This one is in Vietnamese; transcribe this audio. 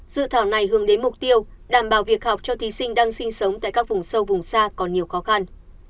dự thảo này hướng đến mục tiêu đảm bảo việc học cho thí sinh đang sinh sống tại các vùng sâu vùng xa còn nhiều khó khăn